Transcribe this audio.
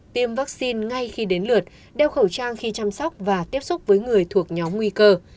tiêm vaccine ngay khi đến lượt đeo khẩu trang khi chăm sóc và tiếp xúc với người thuộc nhóm nguy cơ